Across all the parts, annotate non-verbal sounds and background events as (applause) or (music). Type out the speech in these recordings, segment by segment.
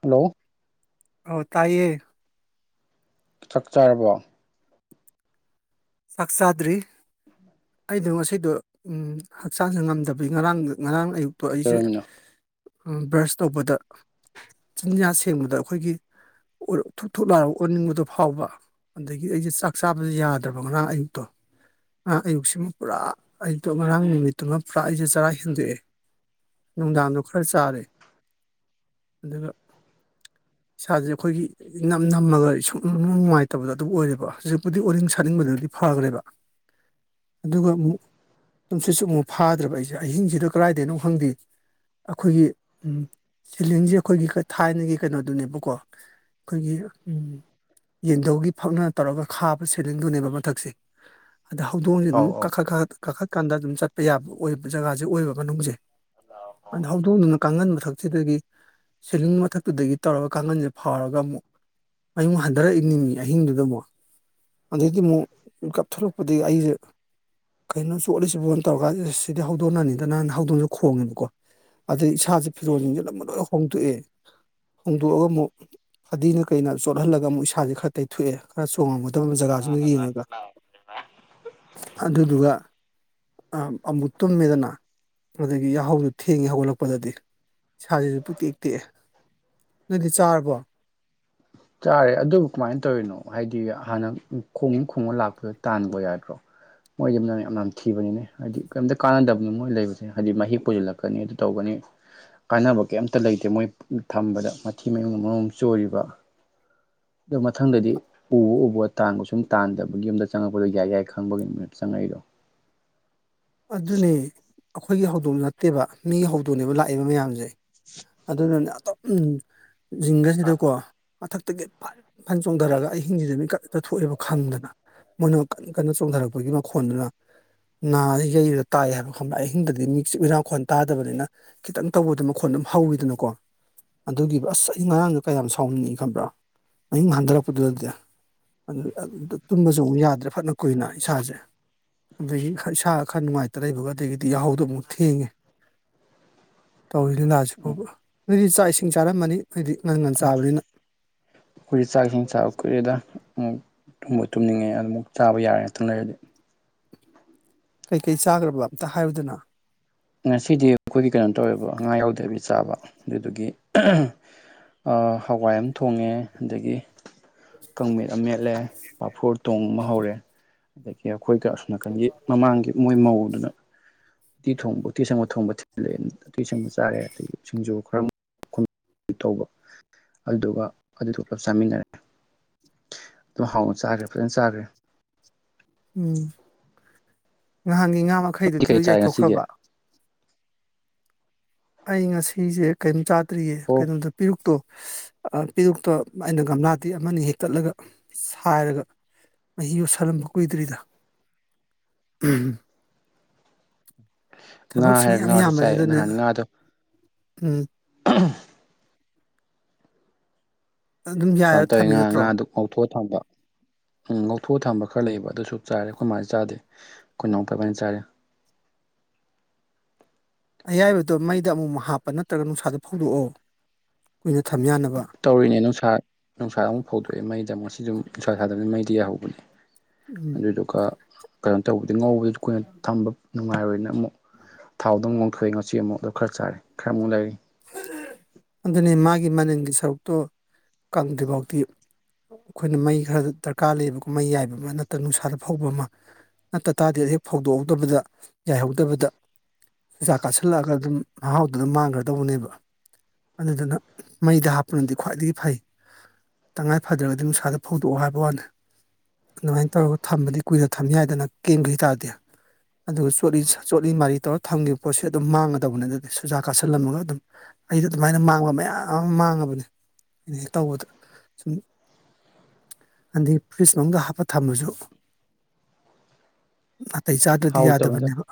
hello ꯍ ꯇꯏꯌꯦ ꯆꯥꯛ ꯆꯥꯔꯕꯣ ꯁꯥꯛꯆꯥꯥꯗ꯭ꯔꯤ ꯑꯩꯗꯣ ꯉꯗꯣ ꯍꯛꯆꯥꯡꯁ ꯉꯝꯗꯕꯤꯩ ꯉꯔꯥꯡ ꯉꯔꯥꯡ ꯑꯌꯨꯛ ꯣ ꯑꯩꯁꯦ ꯀꯩꯗꯧꯔꯝꯃꯤꯅꯣ ꯕ꯭ꯔꯁ ꯇꯧꯕꯗ ꯆꯤꯟꯖꯥꯛ ꯁꯦꯡꯕꯗ ꯑꯩꯈꯣꯏꯒꯤ ꯊꯨꯛ ꯊꯨ ꯂꯥꯔꯒ ꯑꯣꯟꯅꯤꯡꯕꯗꯣ ꯐꯥꯎꯕ ꯑꯗꯒꯤ ꯑꯩꯁꯦ ꯆꯥꯛ ꯆꯥꯕꯗ ꯌꯥꯗ꯭ꯔꯕ ꯑꯩꯇꯣ ꯑꯌꯨꯛꯁꯤꯃ ꯄꯨꯔꯥ ꯑꯩꯗꯣ ꯉꯔꯥꯡ ꯅꯨꯃꯤꯠꯇꯨꯃ ꯄꯨꯔꯥ ꯑꯩꯁꯦ ꯆꯔꯥ ꯍꯦꯟꯗꯣꯛꯑꯦ ꯅꯨꯡꯗꯥꯡꯗꯣ ꯈꯔ ꯆꯥꯔꯦ ꯑꯗꯨꯒ ꯏꯁꯥꯁꯦ ꯑꯩꯈꯣꯏꯒꯤ ꯅꯝ ꯅꯝꯃꯒ ꯁꯨꯡ ꯅꯨꯡꯉꯥꯏꯇꯕꯗ ꯑꯗꯨꯝ ꯑꯣꯏꯔꯦꯕ ꯍꯧꯖꯤꯛꯄꯨꯗꯤ ꯑꯣꯔꯤꯡ ꯈꯠꯅꯤꯡꯕꯗꯗꯤ ꯐꯈ꯭ꯔꯦꯕ ꯑꯗꯨꯒ ꯑꯃꯨꯛ ꯁꯨꯝꯁꯤꯠ ꯆꯨꯝꯃꯨꯛ ꯐꯥꯗ꯭ꯔꯕ ꯑꯩꯁꯦ ꯑꯍꯤꯡꯁꯤꯗ ꯀꯗꯥꯏꯗꯩꯅꯣ ꯈꯪꯗꯦ ꯑꯩꯈꯣꯏꯒꯤ ꯎ ꯁꯤꯂꯤꯡꯁꯦ ꯑꯩꯈꯣꯏꯒꯤ ꯊꯥꯏꯅꯒꯤ ꯀꯩꯅꯣꯗꯨꯅꯦꯕꯀꯣ ꯑꯩꯈꯣꯏꯒꯤ ꯎ ꯌꯦꯟꯙꯧꯒꯤ ꯐꯛꯅ ꯇꯧꯔꯒ ꯈꯥꯕꯁꯦ ꯐꯦꯂꯤꯡꯗꯨꯅꯦꯕ ꯃꯊꯛꯁꯦ ꯑꯗ ꯍꯧꯗꯣꯡꯁꯦ ꯑꯧ ꯑꯗꯨꯝ ꯑꯧ ꯀꯛ ꯈꯛ ꯀꯈ ꯀꯥꯈꯠꯀꯥꯟꯗ ꯑꯗꯨꯝ ꯆꯠꯄ ꯌꯥꯕ ꯑꯣꯏꯕ ꯖꯒꯥꯁꯦ ꯑꯣꯏꯕ ꯃꯅꯨꯡꯁꯦ ꯑ ꯍꯧꯗꯣꯡꯗꯨꯅ ꯀꯥꯡꯍꯟꯕꯊꯛꯁꯤꯗꯒꯤ ꯁꯤꯂꯤꯡ ꯃꯊꯛꯇꯨꯗꯒꯤ ꯇꯧꯔꯒ ꯀꯥꯡꯒꯟꯁꯦ ꯐꯥꯎꯔꯒ ꯑꯃꯨꯛ ꯑꯩꯨꯛ ꯍꯟꯊꯔꯛꯏꯅꯤꯅꯤ ꯑꯍꯤꯡꯗꯨꯗ ꯑꯃꯨꯛ ꯑꯩꯗꯒꯤ ꯑꯃꯨꯛ ꯀꯥꯞꯊꯂꯛꯄꯗꯒꯤ ꯑꯩꯁꯦ ꯀꯩꯅꯣ ꯆꯣꯠꯂꯤꯁꯤꯕꯣꯟ ꯇꯧꯔꯀꯥꯟ ꯁꯤꯗꯤ ꯍꯧꯗꯣꯟꯅꯤꯗ ꯅꯍꯥꯟ ꯍꯧꯗꯣꯟꯁꯨ ꯈꯣꯡꯉꯦꯕꯀꯣ ꯑꯗꯩ ꯏꯁꯥꯁꯦ ꯐꯤꯔꯣꯜꯁꯤꯡꯁꯦ ꯑꯗꯨ ꯂꯣꯏ ꯍꯣꯡꯗꯣꯛꯑꯦ ꯍꯣꯡꯗꯣꯛꯑꯒ ꯑꯃꯨꯛ ꯐꯗꯤꯅ ꯀꯩꯅ ꯆꯣꯠꯍꯜꯂꯒ ꯑꯃꯨꯛ ꯏꯁꯥꯁꯦ ꯈꯔ ꯇꯩꯊꯣꯛꯑꯦ ꯈꯔ ꯆꯣꯡꯉꯝꯒꯗꯕ ꯖꯒꯥꯁꯤꯃ ꯌꯦꯡꯉꯒ ꯑ ꯑꯗꯨꯗꯨꯒ ꯑꯃꯨ ꯇꯨꯝꯃꯦꯗꯅ ꯑꯗꯒꯤ ꯌꯥꯍꯧꯗꯨ ꯊꯦꯡꯉꯦ ꯍꯧꯒꯠꯂꯛꯄꯗꯗꯤ ꯁꯥꯥꯁꯤꯁꯨ ꯄꯨꯛꯛꯇꯦꯛ ꯇꯦꯛꯑꯦ ꯅꯣꯏꯗꯤ ꯆꯥꯔꯕꯣ ꯆꯥꯔꯦ ꯑꯗꯨꯕꯨ ꯀꯃꯥꯏꯅ ꯇꯧꯔꯤꯅꯣ ꯍꯥꯏꯗꯤ ꯍꯥꯟꯅꯛ ꯈꯣꯡ ꯈꯣꯡꯉ ꯂꯥꯛꯄꯗꯣ ꯇꯥꯟꯕ ꯌꯥꯗ꯭ꯔꯣ ꯃꯣꯏꯗꯤ ꯌꯥꯝꯅ ꯊꯤꯕꯅꯤꯅꯦ ꯍꯥꯏꯗꯤ ꯀꯩꯝꯇ ꯀꯥꯟꯅꯗꯕꯅꯤ ꯃꯣꯏ ꯂꯩꯕꯁꯦ ꯍꯥꯏꯗꯤ ꯃꯍꯤꯛ ꯄꯨꯁꯤꯜꯂꯛꯀꯅꯤ ꯑꯗꯨ ꯇꯒꯅꯤ ꯀꯥꯟꯅꯕ ꯀꯩꯝꯇ ꯂꯩꯇꯦ ꯃꯣꯏ ꯊꯝꯕꯗ ꯃꯊꯤ ꯃꯌꯨꯡ ꯃꯔꯨꯝꯝ ꯆꯣꯏꯔꯤꯕ ꯑꯗꯣ ꯃꯊꯪꯗꯗꯤ ꯎꯕ ꯎꯕ ꯇꯥꯟꯕ ꯁꯨꯝ ꯇꯥꯟꯗꯕꯒꯤꯨꯝꯗ ꯆꯪꯉꯛꯄꯗꯣ ꯌꯥꯏ ꯌꯥꯏ ꯈꯪꯕꯒꯤꯃꯤ ꯆꯪꯉꯛꯏ ꯑꯗꯨꯖꯅꯦ ꯑꯩꯈꯣꯏꯒꯤ ꯍꯧꯗꯣꯡ ꯅꯠꯇꯦꯕ ꯃꯤꯒꯤ ꯍꯧꯗꯣꯡꯅꯦꯕ ꯂꯥꯛꯏꯕ ꯃꯌꯥꯝꯁꯦ ꯑꯗꯨꯅꯅꯦ ꯑꯇꯣꯞ ꯤꯡꯒꯁꯤꯗꯀꯣ ꯃꯊꯛꯇꯒꯤ ꯐ ꯏ ꯐꯟ ꯆꯣꯡꯊꯔꯒ ꯑꯍꯤꯡꯁꯤꯗ ꯃꯤꯀꯛꯇ ꯊꯣꯛꯑꯦꯕ ꯈꯪꯗꯅ ꯃꯣꯏꯅ ꯀꯟꯅ ꯆꯣꯡꯊꯔꯛꯄꯒꯤ ꯃꯈꯣꯟꯗꯨꯅ ꯅꯥꯔꯤ ꯌꯩꯔ ꯇꯥꯏ ꯍꯥꯏꯕ ꯈꯪꯕ ꯑꯩ ꯑꯍꯤꯡꯗꯗꯤ ꯃꯤꯁꯨ ꯎꯔꯥꯡꯈꯣꯟ ꯇꯥꯗꯕꯅꯤꯅ ꯈꯤꯇꯪ ꯇꯧꯕꯗ ꯃꯈꯣꯟ ꯑꯗꯨꯝ ꯍꯧꯋꯤꯗꯅꯀꯣ ꯑꯗꯨꯒꯤꯕ ꯑꯁ ꯑꯩ ꯉꯉꯥꯡꯗꯣ ꯀꯌꯥꯝ ꯁꯥꯎꯅꯤꯡꯉꯤ ꯈꯕ꯭ꯔꯥ ꯃꯌꯤꯡ ꯍꯟꯊꯔꯛꯄꯗꯨꯗꯗꯤ ꯇꯨꯝꯕꯁꯨ ꯑꯃꯨꯛ ꯌꯥꯗ꯭ꯔꯦ ꯐꯠꯅ ꯀꯨꯏꯅ ꯏꯁꯥꯁꯦ ꯑꯗꯒꯤ ꯏꯁꯥ ꯑꯈꯔ ꯅꯨꯡꯉꯥꯏꯇ ꯂꯩꯕꯒꯥ ꯑꯗꯒꯤꯗꯤ ꯌꯥꯍꯧꯗꯣ ꯑꯃꯨꯛ ꯊꯦꯡꯉꯦ ꯇꯧꯔꯤ ꯂꯤꯂꯥꯁꯤ ꯐꯥꯎꯕ ꯅꯣꯏꯗꯤ ꯆꯥꯛ ꯏꯁꯤꯡ ꯆꯥꯔꯝꯃꯅꯤ ꯅꯣꯏꯗꯤ ꯉꯟ ꯉꯟ ꯆꯥꯕꯅꯤꯅ ꯑꯩꯈꯣꯏ ꯆꯥꯛꯁꯤꯡ ꯆꯥꯛ ꯀꯨꯏꯔ‌ꯦꯗꯤ ꯑꯃꯨ ꯇꯨꯝꯕ ꯇꯨꯝꯅꯤꯡꯉꯦ ꯑꯗꯨ ꯑꯃꯨꯛ ꯆꯥꯕ ꯌꯥꯔꯦ ꯉꯥꯛꯇꯪ ꯂꯩꯔꯗꯤ ꯀꯩꯀꯩ ꯆꯥꯈ꯭ꯔꯕ ꯑꯝꯇ ꯍꯥꯏꯔꯨꯗꯨꯅ ꯉꯁꯤꯗꯤ ꯑꯩꯈꯣꯏꯒꯤ ꯀꯩꯅꯣ ꯇꯧꯋꯦꯕ ꯑꯉꯥ ꯌꯥꯎꯗꯗꯤ ꯆꯥꯕ ꯑꯗꯨꯗꯒꯤ ꯍꯋꯥꯏ ꯑꯃ ꯊꯣꯡꯉꯦ ꯑꯗꯒꯤ ꯀꯥꯡꯃꯤꯠ ꯑꯃ ꯃꯦꯠꯂꯦ ꯄꯥꯐꯣꯔ ꯇꯣꯡꯕ ꯍꯧꯔꯦ ꯑꯗꯒꯤ ꯑꯩꯈꯣꯏꯒ ꯅꯥꯀꯟꯒꯤ ꯃꯃꯥꯡꯒꯤ ꯃꯣꯏ ꯃꯧꯗꯨꯅ ꯎꯇꯤ ꯊꯣꯡꯕ ꯎꯇꯤ ꯁꯪꯕ ꯊꯣꯡꯕ ꯊꯤꯜꯂꯦ ꯎꯇꯤ ꯁꯪꯕ ꯆꯥꯔꯦ ꯑꯗꯒꯤ ꯁꯤꯡꯖꯨ ꯈꯔ ꯇꯧꯕ ꯑꯗꯨꯗꯨꯒ ꯑꯗꯨꯗ ꯄꯨꯂꯞ ꯆꯥꯃꯤꯟꯅꯔꯦ ꯑꯗꯨ ꯍꯥꯎꯅ ꯆꯥꯈ꯭ꯔꯦ ꯐꯖꯅ ꯆꯥꯈ꯭ꯔꯦ ꯎꯝ ꯅꯍꯥꯟꯒꯤ ꯉꯥ ꯅꯣꯏꯗꯤ ꯃꯈꯩꯗꯨꯗꯤ ꯀꯩ ꯂꯣꯏ ꯆꯥꯏ ꯉꯁꯤꯒꯤ ꯌꯥꯏꯊꯣꯛꯈ꯭ꯔꯕ ꯑꯩ ꯉꯁꯤꯁꯦ ꯀꯔꯤꯝ ꯆꯥꯗ꯭ꯔꯤꯌꯦ ꯑꯣ ꯀꯩꯅꯣꯝꯇ ꯄꯤꯔꯨꯛꯇꯣ ꯄꯦꯔꯨꯛꯇ ꯑꯩꯅ ꯒꯝꯂꯥꯗꯤ ꯑꯃꯅꯤ ꯍꯦꯛꯛꯇꯠꯂꯒ ꯁꯥꯏꯔꯒ ꯃꯍ ꯌꯣꯠ ꯁꯥꯜꯂꯝꯕ ꯀꯨꯏꯗ꯭ꯔꯤꯗ ꯎ ꯉꯥ ꯁꯨꯝ ꯍꯥꯏꯔꯒ ꯌꯥꯝ ꯉꯥꯁꯨ ꯆꯥꯏ ꯌꯥꯝꯕꯁꯤꯗꯅꯦ ꯅꯍꯥꯟ ꯉꯥꯗꯣ ꯎꯝ ꯑ (unintelligible) (inaudible) ꯑꯗꯨꯝ ꯌꯥꯏꯔ ꯀꯃꯥꯏ ꯇꯧꯋꯤ ꯊꯝꯃꯤ ꯉꯥ ꯅꯠꯇ꯭ꯔꯣ ꯉꯥꯗꯨ ꯉꯧꯊꯣꯛꯑ ꯊꯝꯕꯥ ꯎꯝ ꯂꯧꯊꯣꯛꯑ ꯊꯝꯕ ꯈꯔ ꯂꯩꯌꯦꯕ ꯑꯗꯨꯁꯨ ꯆꯥꯔꯦ ꯑꯩꯈꯣꯏꯃꯥꯏꯅ ꯆꯥꯗꯦ ꯑꯩꯈꯣꯏ ꯃ ꯀꯃꯥꯏꯅ ꯆꯥꯔꯦ ꯑꯌꯥꯏꯕꯗꯨꯣ ꯃꯩꯗ ꯑꯃꯨꯛꯨꯛ ꯍꯥꯞꯄ ꯅꯠꯇ꯭ꯔꯒ ꯅꯨꯡꯁꯥꯗ ꯐꯧꯗꯣꯛꯑꯣ ꯀꯨꯏꯅ ꯊꯝ ꯌꯥꯅꯕ ꯇꯧꯔꯤꯅꯦ ꯅꯨꯡꯁꯥ ꯅꯨꯡꯁꯥꯗ ꯑꯃꯨꯛ ꯐꯧꯗꯣꯛꯑꯦ ꯃꯩꯗ ꯑꯃꯨꯛ ꯁꯤꯁꯨ ꯅꯨꯡꯁꯥ ꯁꯥꯗꯕꯅꯤ ꯃꯩ ꯗꯍꯨꯕ ꯎꯝ ꯑꯗꯨꯗꯨꯒ ꯀꯩꯅꯣ ꯇꯧꯕꯗꯤ ꯉꯧꯕ ꯀꯨꯏꯅ ꯊꯝꯕ ꯅꯨꯡꯉꯥꯏꯔꯣꯏꯅ ꯑꯃꯨꯛ ꯊꯥꯎꯗ ꯑꯃ ꯂꯣꯡꯊꯣꯛꯑꯦ ꯉꯁꯤ ꯑꯃꯨꯛꯗ ꯈꯔ ꯆꯥꯔꯦ ꯈꯔꯃꯨꯛ ꯂꯩꯔꯤ ꯑꯗꯨꯅꯤ ꯃꯥꯒꯤ ꯃꯅꯤꯡꯜꯒꯤ ꯁꯔꯨꯛꯇꯣ ꯀꯪꯗ꯭ꯔꯤꯐꯥꯎꯗꯤꯤ ꯑꯩꯈꯣꯏꯅ ꯃꯩ ꯈꯔ ꯗꯔꯀꯥꯔ ꯂꯩꯌꯦꯕꯀꯣ ꯃꯩ ꯌꯥꯏꯕ ꯑꯃ ꯅꯠꯇ꯭ꯔꯒ ꯅꯨꯡꯁꯥꯗ ꯐꯧꯕ ꯑꯃ ꯅꯠꯇ ꯇꯥꯔꯗꯤ ꯍꯦꯛ ꯐꯧꯗꯣꯛꯍꯧꯗꯕꯗ ꯌꯥꯏꯍꯧꯗꯕꯗ ꯆꯩꯖꯥꯛ ꯀꯥꯁꯤꯜꯂꯛꯑꯒ ꯑꯗꯨꯝ ꯃꯍꯥꯎꯗꯨ ꯑꯗꯨꯝ ꯃꯥꯡꯈ꯭ꯔ ꯇꯧꯕꯅꯦꯕ ꯑꯗꯨꯗꯨꯅ ꯃꯩꯗ ꯍꯥꯞꯄꯅꯗꯤ ꯈ꯭ꯋꯥꯏꯗꯒꯤ ꯐꯩ ꯇꯉꯥꯏ ꯐꯗ꯭ꯔꯒꯗꯤ ꯅꯨꯡꯁꯥꯗ ꯐꯧꯗꯣꯛꯑꯣ ꯍꯥꯏꯕ ꯋꯥꯅꯤ ꯑꯗꯨꯃꯥꯏꯅ ꯇꯧꯔꯒ ꯊꯝꯕꯗꯤ ꯀꯨꯏꯔ ꯊꯝꯅꯤ ꯍꯥꯏꯗꯅ ꯀꯦꯡꯒ ꯍꯥꯏꯇꯥꯥꯔꯗꯤ ꯑꯗꯨꯒ ꯆꯣꯠꯂꯤ ꯆꯣꯠꯂꯤ ꯃꯔꯤ ꯇꯧꯔꯒ ꯊꯝꯈꯤꯕ ꯄꯣꯠꯁꯦ ꯑꯗꯨꯝ ꯃꯥꯡꯒꯗꯕꯅꯦ ꯑꯗꯨꯗꯤ ꯁꯨꯖꯥ ꯀꯁꯤ ꯊꯜꯂꯝꯃꯒ ꯑꯗꯨꯝ ꯑꯩꯗ ꯑꯗꯨꯃꯥꯏꯅ ꯃꯥꯡꯕ ꯃꯌꯥꯝ ꯑꯃ ꯃꯥꯡꯉꯕꯅꯦ ꯑꯩꯅ ꯍꯦꯛ ꯇꯧꯕꯗ ꯁꯨꯝ ꯑꯗꯗꯤ ꯐꯔꯤꯁ ꯃꯅꯨꯡꯗ ꯍꯥꯞꯄ ꯊꯝꯃꯁꯨ ꯅꯥꯇꯩ ꯆꯥꯗ꯭ꯔꯗꯤ ꯍꯥꯎꯇꯕꯅꯤꯗ ꯌꯥꯗꯕꯅꯦꯕ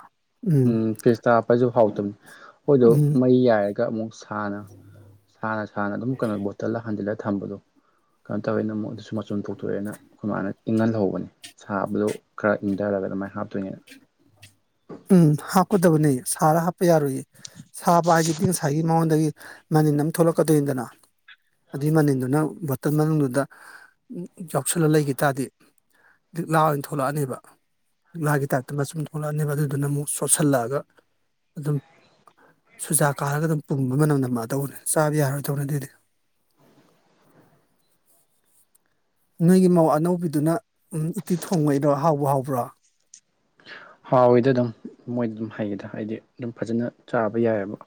ꯎꯝ ꯐꯦꯤꯁꯇ ꯍꯥꯞꯄꯁꯨ ꯍꯥꯎꯇꯕꯅꯤ ꯍꯣꯏꯗꯣ ꯎꯝ ꯃꯩ ꯌꯥꯏꯔ ꯑꯃꯨꯛꯅ ꯁꯅ ꯁꯅ ꯑꯗꯨꯝ ꯀꯩꯅꯣ ꯕꯣꯇꯜꯂ ꯍꯟꯖꯤꯜꯂꯒ ꯊꯝꯕꯗꯣ ꯀꯩꯅꯣ ꯇꯧꯋꯦꯅ ꯃ ꯑꯗꯨꯁꯨ ꯃꯆꯨꯝ ꯊꯣꯛꯇꯣꯛꯑꯦꯅ ꯑꯩꯈꯣꯏ ꯃꯥꯅ ꯏꯪꯍꯜꯍꯧꯕꯅꯤ ꯁꯥꯕꯗꯣ ꯈꯔ ꯏꯪꯊꯔ ꯃ ꯍꯥꯞꯇꯣꯏꯅꯦ ꯎꯝ ꯍꯥꯞꯀꯗꯕꯅꯦ ꯁꯥꯔ ꯍꯥꯞꯄ ꯌꯥꯔꯣꯏꯌꯦ ꯁꯥꯕ ꯍꯥꯏꯁꯤꯗꯤ ꯉꯁꯥꯏꯒꯤ ꯃꯉꯣꯟꯗꯒꯤ ꯅꯪ ꯊꯣꯛꯂꯛꯀꯗꯣꯏꯅꯤꯗꯅ ꯑꯗꯨꯏ ꯃꯅꯤꯟꯗꯨꯅ ꯕꯣꯇꯜ ꯃꯅꯨꯡꯗꯨꯗ ꯌꯥꯎꯁꯜꯂ ꯂꯩꯈꯤ ꯇꯥꯔꯗꯤ ꯂꯤꯛꯂꯥ ꯑꯣꯏꯅ ꯊꯣꯛꯂꯛꯑꯅꯦꯕ ꯂꯤꯛꯂꯥꯒꯤ ꯇꯥꯏꯞꯇ ꯃꯆꯨꯝ ꯊꯣꯛꯂꯛꯑꯅꯦꯕ ꯑꯗꯨ ꯑꯗꯨꯅ ꯑꯃꯨꯛ ꯁꯣꯠꯁꯤꯜꯂꯛꯑꯒ ꯑꯗꯨꯝ ꯁꯨꯖꯥꯛ ꯀꯥꯜꯂꯒ ꯑꯗꯨꯝ ꯄꯨꯝꯕ ꯃꯅꯝꯗ ꯃꯥꯗꯧꯕꯅꯦ ꯆꯥꯕ ꯌꯥꯔꯣꯏꯗꯧꯅꯦ ꯑꯗꯨꯗꯤ (unintelligible) ꯅꯣꯏꯒꯤ ꯃꯧ ꯑꯅꯧꯕꯤꯗꯨꯅ ꯎꯇꯤ ꯊꯣꯡꯉꯛꯩꯔꯣ ꯍꯥꯎꯕ ꯍꯥꯎꯕ꯭ꯔꯣ ꯍꯥꯎꯋꯗ ꯑꯗꯨꯝ ꯃꯣꯏꯗ ꯑꯗꯨꯝ ꯍꯩꯒꯦꯗ ꯍꯥꯏꯗꯤ ꯑꯗꯨꯝ ꯐꯖꯅ ꯆꯥꯕ ꯌꯥꯏꯑꯕ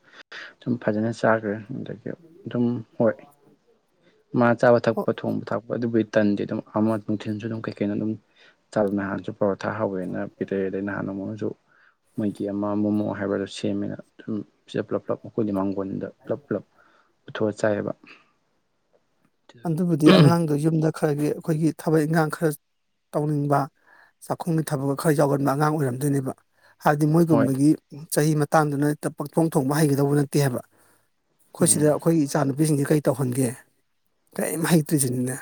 ꯁꯨꯝ ꯐꯖ ꯐꯖꯅ ꯆꯥꯈ꯭ꯔꯦ ꯑꯗꯒꯤ ꯑꯗꯨꯝ ꯍꯣꯏ (unintelligible) ꯃꯥ ꯆꯥꯕ ꯊꯛꯄ ꯑꯣ ꯊꯣꯡꯕ ꯊꯛꯄ ꯑꯗꯨꯕꯨꯩ ꯇꯟꯗꯤ ꯑꯗꯨꯝ ꯑꯃ ꯅꯨꯡꯊꯤꯜꯁꯨ ꯑꯗꯨꯝ ꯀꯩꯀꯩꯅ ꯑꯗꯨꯝ ꯇꯜ ꯃꯍꯥꯟꯁꯨ ꯄꯣꯔꯣꯊꯥ ꯍꯧꯋꯦꯅ ꯇꯗꯅꯍꯥꯟꯅꯃꯣꯁꯨ ꯃꯣꯏꯒꯤ ꯑꯃ ꯃꯣꯃꯣ ꯍꯥꯏꯕꯗꯣ ꯁꯦꯝꯃꯦꯅ ꯑꯗꯨꯝ ꯄꯨꯂꯞ ꯄꯨꯂꯞ ꯃꯈꯣꯏꯗꯤ ꯃꯥꯡ ꯣꯟꯗ ꯄꯨꯂꯞ ꯄꯨꯂꯞ ꯄꯨꯊꯣꯛꯑ ꯆꯥꯏꯌꯦꯕ ꯑꯗꯨꯕꯨꯗꯤ ꯑꯉꯥꯡꯗꯨꯣ ꯌꯨꯝꯗ ꯈꯔꯒꯤ ꯑꯩꯈꯣꯏꯒꯤ ꯊꯕꯛ ꯏꯟꯈꯥꯡ ꯈꯔ ꯇꯧꯅꯤꯡꯕ ꯆꯥꯛꯈꯨꯝꯒꯤ ꯊꯕꯛꯀ ꯈꯔ ꯌꯥꯎꯒꯟꯕ ꯑꯉꯥꯡ ꯑꯣꯏꯔꯝꯗꯣꯏꯅꯦꯕ ꯍꯥꯏꯕꯗꯤ ꯍꯣꯏ ꯃꯣꯏꯒꯨꯝꯕꯒꯤ ꯆꯍꯤ ꯃꯇꯥꯡꯗꯨꯅ ꯍꯦ ꯄꯥꯛꯊꯣꯡ ꯊꯣꯡꯕ ꯍꯩꯒꯗꯧꯕ ꯅꯠꯇꯦ ꯍꯥꯏꯕ ꯑꯩꯈꯣꯏ ꯁꯤꯗ ꯎꯝ ꯑꯩꯈꯣꯏꯒꯤ ꯏꯆꯥ ꯅꯨꯨꯄꯤꯁꯤꯡꯁꯤ ꯀꯔꯤ ꯇꯧꯍꯟꯒꯦ ꯀꯔꯤꯝ ꯍꯩꯇ꯭ꯔꯤꯁꯤꯅꯤꯅꯦ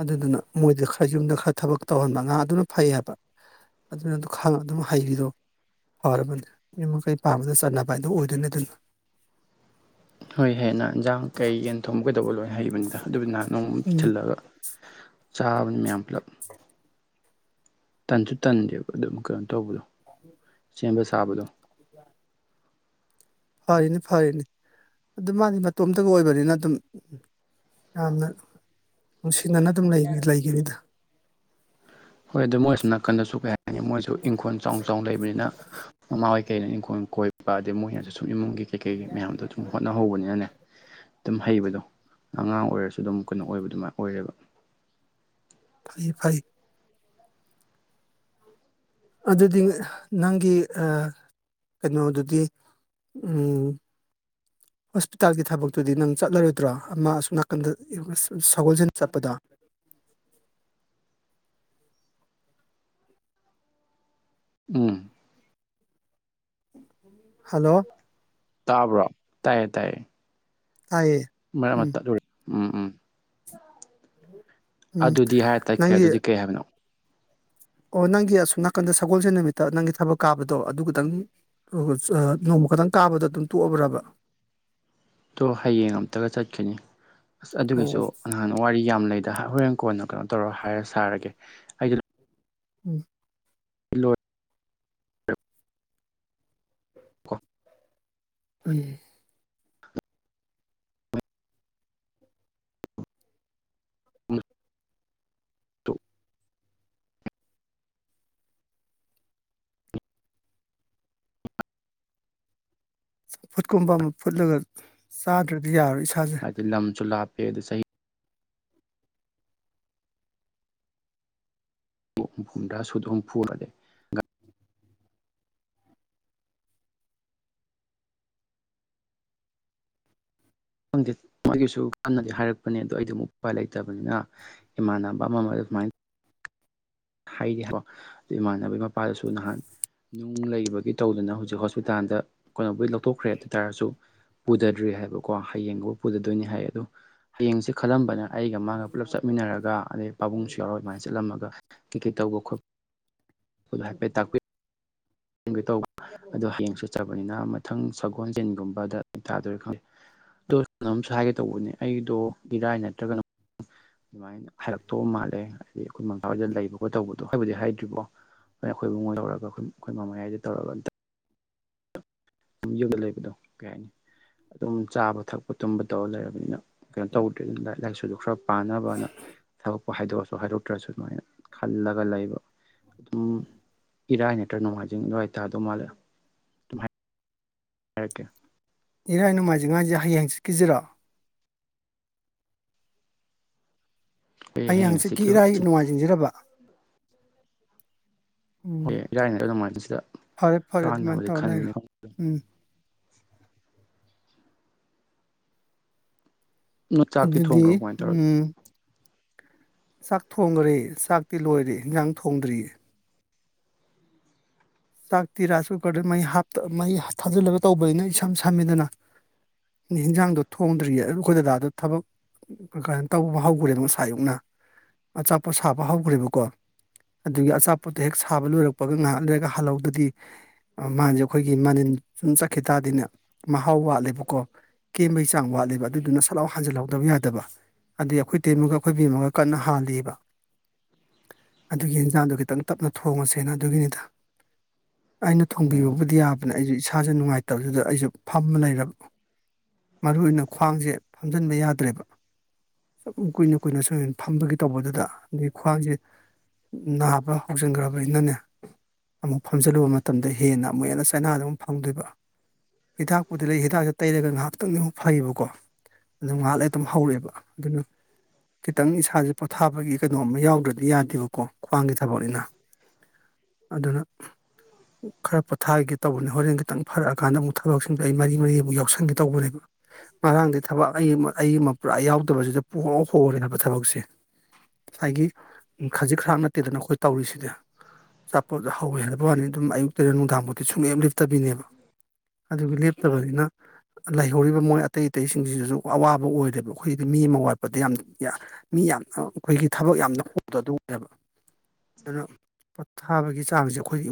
ꯑꯗꯨꯗꯨꯅ ꯃꯣꯏꯗ ꯈꯔ ꯌꯨꯝꯗ ꯈꯔ ꯊꯕꯛ ꯇꯧꯍꯟꯕ ꯉꯥꯗꯨꯅ ꯐꯩ ꯍꯥꯏꯕ ꯑꯗꯨꯅ ꯈ ꯑꯗꯨꯝ ꯍꯥꯏꯩꯕꯤꯔꯛꯑꯣ ꯐꯔꯕꯅꯦ ꯃꯤꯨꯝ ꯃꯈꯩ ꯄꯥꯝꯕꯗ ꯆꯥꯟꯅꯕ ꯍꯥꯏꯗꯣ ꯑꯣꯏꯗꯣꯏꯅꯤ ꯑꯗꯨꯅ ꯍꯣꯏ ꯍꯅ ꯏꯟꯖꯥꯡ ꯀꯩ ꯌꯦꯅ ꯊꯣꯡꯒꯗꯧꯕ ꯂꯣꯏꯅ ꯍꯥꯏꯔꯤꯕꯅꯤꯗ ꯑꯗꯨꯕꯨ ꯅꯍ ꯅꯣꯡ ꯎꯝ ꯊꯤꯜꯂꯒ ꯆꯥꯕꯅꯤ ꯃꯌꯥꯝ ꯄꯨꯂꯞ ꯇꯟꯁꯨ ꯇꯟꯗꯦꯕ ꯑꯗꯨꯝ ꯀꯩꯅꯣ ꯇꯧꯕꯗꯣ (unintelligible) ꯆꯕ ꯁꯥꯕꯗꯣ (inaudible) ꯐꯔꯤꯅꯤ ꯐꯔꯤꯅꯤ ꯑꯗꯨ ꯃꯥꯅꯤ ꯃꯇꯣꯝꯇꯒ ꯑꯣꯏꯕꯅꯤꯅ ꯑꯗꯨꯝ ꯎꯝ ꯌꯥꯝꯅ ꯅꯨꯡꯁꯤꯅꯅ ꯑꯗꯨꯝ ꯂꯩꯒꯅꯤꯗ ꯍꯣꯏ ꯑꯗꯨ ꯃꯣꯏꯁꯨ ꯅꯥꯀꯟꯗꯁꯨ ꯀꯩ ꯍꯥꯏꯅꯤ ꯃꯣꯏꯁꯨ ꯏꯪꯈꯣꯜ ꯆꯥꯎꯅ ꯆꯥꯎꯅ ꯂꯩꯕꯅꯤꯅ ꯃꯃꯥ ꯍꯣꯏ ꯀꯩꯀꯩꯅ ꯏꯪꯈꯣꯜ ꯀꯣꯏꯕ ꯄꯥꯗꯦ ꯃꯣꯏꯅꯁꯨ ꯁꯨꯝ ꯏꯃꯨꯡꯒꯤ ꯀꯩꯀꯩ ꯃꯌꯥꯝꯗꯣ ꯑꯗꯨꯨꯝ ꯍꯣꯠꯅꯍꯧꯕꯅꯤꯅꯅꯦ ꯑꯗꯨꯝ ꯍꯍꯩꯕꯗꯣ ꯑꯉꯥꯡ ꯑꯣꯏꯔꯁꯨ ꯑꯗꯨꯝ ꯀꯩꯅꯣ ꯑꯣꯏꯕ ꯑꯗꯨꯃꯥꯏ ꯑꯣꯏꯔꯦꯕ ꯑꯩ ꯐꯥꯏ ꯑꯗꯨꯗꯤ ꯅꯪꯒꯤ ꯀꯩꯅꯣ ꯑꯗꯨꯗꯤ ꯎꯝ ꯍꯣꯁꯄꯤꯇꯥꯜꯒꯤ ꯊꯕꯛꯇꯨꯗꯤ ꯅꯪ ꯆꯠꯂꯔꯣꯏꯗ꯭ꯔꯣ ꯑꯃ ꯑ ꯅꯥꯀꯟꯗ ꯁꯒꯣꯜꯁꯟ ꯆꯠꯄꯗ ꯎꯝ ꯎꯝ ꯍꯜꯂꯣ ꯇꯥꯕ꯭ꯔꯣ ꯇꯥꯏꯌꯦ ꯇꯥꯏꯌꯦ ꯇꯥꯏꯌꯦ ꯃꯔꯛ ꯑꯃ ꯎꯝ ꯇꯠꯂꯨꯔꯦ ꯎꯝ ꯎꯝ ꯎꯝ ꯑꯗꯨꯗꯤ ꯍꯥꯏꯔꯦ ꯇꯠꯈ꯭ꯔꯦ ꯅꯪꯒꯤ ꯑꯗꯨꯗꯤ ꯀꯩ ꯍꯥꯏꯕꯅꯣ ꯑꯣ ꯅꯪꯒꯤ ꯑꯁꯣꯝ ꯅꯥꯀꯟꯗ ꯁꯒꯣꯜꯁꯦ ꯅꯨꯃꯤꯠꯇ ꯅꯪꯒꯤ ꯊꯕꯛ ꯀꯥꯕꯗꯣ ꯑꯗꯨꯇꯪ ꯑꯗꯨꯒ ꯅꯣꯡꯃ ꯈꯛꯇꯪ ꯀꯥꯕꯗ ꯑꯗꯨꯝ ꯇꯣꯛꯑꯕ꯭ꯔꯕ ꯇꯣ ꯍꯌꯦꯡ ꯑꯃꯝꯇꯒ ꯆꯠꯀꯅꯤ ꯑꯁ ꯑꯣ ꯑꯗꯨꯒꯤꯁꯨ ꯅꯍꯥꯟꯅ ꯋꯥꯔꯤ ꯌꯥꯝ ꯂꯩꯗ ꯍꯣꯔꯦꯟ ꯀꯣꯟꯅ ꯀꯩꯅꯣ ꯇꯧꯔ ꯍꯥꯏꯔ ꯁꯥꯔꯒꯦ ꯑꯩꯗꯨ ꯎꯝ ꯀ ꯎꯝ ꯆꯐꯨꯠꯀꯨꯝꯕ ꯑꯃ ꯐꯨꯠꯂꯒ ꯆꯥꯗ꯭ꯔꯗꯤ ꯌꯥꯔꯣꯏ ꯏꯁꯥꯁꯦ ꯐꯦꯗ ꯁꯍꯤ ꯐꯨꯝꯗ꯭ꯔ ꯁꯨꯗꯣꯡ ꯐꯨꯗꯦ ꯈꯪꯗ ꯑꯩꯒꯤꯁꯨ ꯀꯟꯅꯗꯤ ꯍꯥꯏꯔꯛꯄꯅꯦ ꯑꯗꯣ ꯑꯩꯗꯤ ꯑꯃ ꯎꯄꯥꯏ ꯂꯩꯇꯕꯅꯤꯅ ꯏꯃꯥꯟꯅꯕ ꯑꯃ ꯑꯃ (unintelligible) ꯍꯥꯏꯔꯤꯣ ꯑꯗꯨ ꯏꯃꯥꯟꯅꯕꯒꯤ ꯃꯄꯥꯗꯁꯨ ꯅꯍꯥꯟ ꯅꯨꯡ ꯂꯩꯕꯒꯤ ꯇꯧꯗꯅ ꯍꯧꯖꯤꯛ ꯍꯣꯁꯄꯤꯇꯥꯜꯗ ꯀꯩꯅꯣꯕꯨꯩ ꯂꯧꯊꯣꯛꯈ꯭ꯔꯦ ꯑꯗꯨ ꯇꯥꯔꯁꯨ ꯄꯨꯗꯗ꯭ꯔꯤ ꯍꯥꯏꯕꯀꯣ ꯍꯌꯦꯡꯒꯕꯨ ꯄꯨꯗꯗꯣꯏꯅꯤ ꯍꯥꯏ ꯑꯗꯣ ꯍꯌꯦꯡꯁꯦ ꯈꯜꯂꯝꯕꯅ ꯑꯩꯒ ꯃꯥꯒ ꯄꯨꯜꯂꯞ ꯆꯠꯃꯤꯟꯅꯔꯒ ꯑꯗꯩ ꯄꯥꯕꯨꯡꯁꯨ ꯌꯥꯎꯔ ꯑꯗꯨꯃꯥꯏꯅ ꯆꯠꯂꯝꯃꯒ ꯇꯤꯀꯦ ꯇꯧꯒꯈ ꯈꯨꯗ ꯍꯥꯏ ꯄꯦ ꯇꯈꯏ ꯒ ꯇꯧꯕ ꯑꯗꯣ ꯍꯌꯦꯡ ꯆꯠꯆꯕꯅꯤꯅ ꯃꯊꯪ ꯁꯒꯣꯜꯖꯤꯟꯒꯨꯝꯕꯗ ꯇꯥꯗꯣꯏꯔ ꯈꯪꯗꯦ ꯑꯗꯝꯁꯨ ꯍꯥꯏꯒꯦ ꯇꯧꯕꯅꯦ ꯑꯩꯗꯣ ꯏꯔꯥꯏ ꯅꯠꯇ꯭ꯔꯒꯅ ꯑꯗꯨꯃꯥꯏꯅ ꯍꯥꯏꯔꯛꯇꯧꯕ ꯃꯥꯜꯂꯦ ꯍꯥꯏꯗꯤ ꯑꯩꯈꯣꯏ ꯃꯥꯋꯥꯗ ꯂꯩꯕ ꯈꯣꯠ ꯇꯧꯕꯗꯣ ꯍꯥꯏꯕꯨꯗꯤ ꯍꯥꯏꯗ꯭ꯔꯤꯕꯣ ꯑꯩꯈꯣꯏ ꯏꯕꯨꯡ ꯂꯧꯔꯒ ꯑꯩꯈꯣꯏ ꯑꯩꯈꯣꯏ ꯃꯃꯌꯥꯏꯗ ꯇꯧꯔꯒ ꯑꯃꯝꯇ ꯌꯨꯝꯗ ꯂꯩꯕꯗꯣ ꯀꯩ ꯍꯥꯏꯅꯤ ꯑꯗꯨꯝ ꯆꯥꯕ ꯊꯛꯄ ꯇꯨꯝꯕ ꯇꯧꯔ ꯂꯩꯔꯕꯅꯤꯅ ꯀꯩꯅꯣ ꯇꯧꯗ꯭ꯔꯦꯅ ꯂꯥꯏꯔꯤꯛ ꯂꯥꯏꯁꯨꯗ ꯈꯔ ꯄꯥꯅꯕꯅ ꯊꯕꯛꯄꯨ ꯍꯥꯏꯗꯣꯛꯑꯁꯨ ꯍꯥꯏꯗꯣꯛꯇ꯭ꯔꯁꯨ ꯑꯗꯨꯃꯥꯏꯅ ꯈꯜꯂꯒ ꯂꯩꯕ ꯑꯗꯨꯝ ꯏꯔꯥꯏ ꯅꯠꯇ꯭ꯔ ꯅꯣꯡꯃꯥꯏꯖꯤꯡ ꯂꯥꯏ ꯇꯗꯧ ꯃꯥꯜꯂꯦ ꯑꯣꯀꯦ ꯏꯔꯥꯏ ꯅꯣꯡꯃꯥꯏꯖꯤꯡ ꯉꯥꯏꯁꯦ ꯍꯌꯦꯡ ꯆꯤꯠꯀꯤꯁꯤꯔꯥ ꯑꯩ ꯍꯪꯆꯤꯠꯀꯤ ꯏꯔꯥꯏ ꯅꯣꯡꯉꯥꯏꯖꯤꯡꯖꯔꯕ ꯍꯣꯏ ꯎꯝ ꯏꯥꯏꯅꯦ ꯑꯗꯨꯃꯥꯏꯅ ꯁꯤꯗ ꯐꯔꯦ ꯐꯔꯦ ꯑꯗꯨꯃꯥꯏꯅ ꯀꯥꯟꯅꯕꯗꯤ ꯇꯧꯔ ꯈꯟꯕꯅꯤ ꯂꯩꯔꯣ ꯎꯝ ꯅꯣꯏ ꯆꯥꯛꯇꯤ ꯑꯗꯨꯗꯤ ꯊꯣꯡꯈ꯭ꯔꯕꯣ ꯀꯃꯥꯏꯅ ꯇꯧꯔꯒꯦ ꯎꯝ ꯆꯥꯛ ꯊꯣꯡꯈꯔꯦ ꯆꯥꯛꯇꯤ ꯂꯣꯏꯔꯦ ꯏꯟꯖꯥꯡ ꯊꯣꯡꯗ꯭ꯔꯤꯌꯦ ꯆꯥꯛꯇꯤ ꯔꯥꯏꯁ ꯀꯨꯀꯔꯗꯨ ꯃꯩ ꯃꯩ ꯊꯥꯖꯤꯜꯂꯒ ꯇꯧꯕꯅꯤꯅ ꯏꯁꯝ ꯁꯝꯃꯤꯗꯅ ꯍꯤꯟꯖꯥꯡꯗꯣ ꯊꯣꯡꯗ꯭ꯔꯤꯌꯦ ꯑꯗꯨ ꯑꯩꯈꯣꯏ ꯗꯗꯥꯗꯣ ꯊꯕꯛ ꯇꯧꯕ ꯍꯧꯈ꯭ꯔꯦ ꯑꯗꯨ ꯉꯁꯥꯏꯌꯨꯛꯅ ꯑꯆꯥꯄꯣꯠ ꯁꯥꯕ ꯍꯧꯈ꯭ꯔꯦꯕꯀꯣ ꯑꯗꯨꯒꯤ ꯑꯆꯥꯄꯣꯠꯇꯣ ꯍꯦꯛ ꯁꯥꯕ ꯂꯣꯏꯔꯛꯄꯒ ꯉꯥꯏꯍꯥꯛ ꯂꯩꯣꯏꯔꯒ ꯍꯜꯍꯧꯗꯗꯤ ꯃꯥꯁꯦ ꯑꯩꯈꯣꯏꯒꯤ ꯃꯅꯤꯟ ꯁꯨꯝ ꯆꯠꯈꯤ ꯇꯥꯔꯗꯤꯅꯦ ꯃꯍꯥꯎ ꯋꯥꯠꯂꯦꯕꯀꯣ ꯀꯦꯝꯕꯒꯤ ꯆꯥꯡ ꯋꯥꯠꯂꯤꯦꯕ ꯑꯗꯨꯗꯨꯅ ꯁꯂꯥꯎ ꯍꯟꯖꯤꯜꯍꯧꯗꯕ ꯌꯥꯗꯕ ꯑꯗꯨꯩ ꯑꯩꯈꯣꯏ ꯇꯦꯟꯃꯒ ꯑꯩꯈꯣꯏ ꯦꯝꯃꯒ ꯀꯟꯅ ꯍꯥꯜꯂꯤꯕ ꯑꯗꯨꯒꯤ ꯑꯦꯟꯖꯥꯡꯗꯣ ꯈꯤꯇꯪ ꯇꯞꯅ ꯊꯣꯡꯉꯁꯦꯅ ꯑꯗꯨꯒꯤꯅꯤꯗ ꯑꯩꯅ ꯑꯣ ꯊꯣꯡꯕꯤꯕꯕꯨꯗꯤ ꯌꯥꯕꯅꯦ ꯑꯩꯁꯨ ꯏꯁꯥꯁꯦ ꯅꯨꯡꯉꯥꯏꯇꯕꯗꯨꯗ ꯑꯩꯁꯨ ꯐꯝꯃ ꯂꯩꯔꯕ ꯃꯔꯨ ꯑꯣꯏꯅ ꯈ꯭ꯋꯥꯡꯁꯦ ꯐꯝꯖꯤꯟꯕ ꯌꯥꯗ꯭ꯔꯦꯕ ꯁꯨꯝ ꯀꯨꯏꯅ ꯀꯨꯏꯅ ꯁꯨꯝꯅ ꯐꯝꯕꯒꯤ ꯇꯧꯕꯗꯨꯗ ꯑꯗꯒꯤ ꯈ꯭ꯋꯥꯡꯁꯦ ꯅꯥꯕ꯭ꯔ ꯍꯧꯖꯤꯟꯈ꯭ꯔꯕꯅꯤꯅꯅꯦ ꯑꯃꯨꯛ ꯐꯝꯖꯤꯜꯂꯨꯕ ꯃꯇꯝꯗ ꯍꯦꯟꯅ ꯑꯃꯨꯛ ꯍꯦꯟꯅ ꯆꯥꯏꯅꯥꯗ ꯑꯃꯨꯛ ꯐꯪꯗꯣꯏꯕ ꯍꯤꯗꯥꯛꯄꯨꯗꯤ ꯂꯩ ꯍꯤꯗꯥꯛꯁꯤꯦ ꯇꯩꯔꯒ ꯉꯥꯏꯍꯥꯛꯇꯪꯗꯤ ꯑꯃꯨꯛ ꯐꯩꯌꯦꯕꯀꯣ ꯑꯗꯨꯝ ꯉꯥꯏꯍꯥꯛꯂ ꯑꯗꯨꯝ ꯍꯧꯔꯛꯑꯦꯕ ꯑꯗꯨꯅ ꯈꯤꯇꯪ ꯏꯁꯥꯁꯦ ꯄꯣꯊꯥꯕꯒꯤ ꯀꯩꯅꯣꯝ ꯌꯥꯎꯗ꯭ꯔꯗꯤ ꯌꯥꯗꯦꯕꯀꯣ ꯈ꯭ꯋꯥꯡꯒꯤ ꯊꯕꯛꯅꯤꯅ ꯑꯗꯨꯅ ꯈꯔ ꯄꯣꯊꯥꯒꯦ ꯇꯧꯕꯅꯦ ꯍꯣꯔꯦꯟ ꯈꯤꯇꯪ ꯐꯔꯛꯑꯀꯥꯟꯗ ꯑꯃꯨꯛ ꯊꯕꯛꯁꯤꯡꯁꯦ ꯑꯩ ꯃꯔꯤ ꯃꯔꯤ ꯑꯃꯨꯛ ꯌꯥꯎꯁꯟꯒꯦ ꯇꯧꯕꯅꯦꯕ ꯉꯔꯥꯡꯗꯤ ꯊꯕꯛ ꯑꯩ ꯑꯩꯒꯤ ꯃꯄ ꯌꯥꯎꯗꯕꯁꯤꯗ ꯄ ꯍ ꯍꯣꯔꯦꯕ ꯊꯕꯛꯁꯦ ꯉꯁꯥꯏꯒꯤ ꯈꯖꯤꯛ ꯈꯔ ꯅꯠꯇꯦꯗꯅ ꯑꯩꯈꯣꯏ ꯇꯧꯔꯤꯁꯤꯗꯤ ꯑꯆꯥꯄꯣꯠ ꯍꯧꯋ ꯍꯦꯜꯂꯄ ꯋꯥꯅꯤ ꯑꯗꯨꯝ ꯑꯌꯨꯛ ꯇꯔꯦꯠ ꯅꯨꯡꯗꯥꯡꯐꯥꯎꯗꯤꯤ ꯁꯨꯡꯂꯦꯝ ꯂꯦꯞꯇꯕꯤꯅꯦꯕ ꯑꯗꯨ ꯂꯞ ꯇꯕꯅꯤꯅ ꯂꯩꯍꯧꯔꯤꯕ ꯃꯣꯏ ꯑꯇꯩ ꯑꯇꯩꯁꯤꯡꯁꯤꯗꯁꯨ ꯑꯋꯥꯕ ꯑꯣꯏꯔꯦꯕ ꯑꯩꯈꯣꯏꯗꯤ ꯃꯤ ꯑꯃ ꯋꯥꯠꯄꯗ ꯌꯥꯝ ꯃꯤ ꯌꯥꯝꯅ ꯑꯩꯈꯣꯏꯒꯤ ꯊꯕꯛ ꯌꯥꯝꯅ ꯍꯨꯗ ꯑꯗꯨ ꯑꯣꯏꯅꯦꯕ ꯑꯗꯨꯅ ꯊꯥꯕꯒꯤ ꯆꯥꯡꯁꯦ ꯑꯩꯈꯣꯏꯒꯤ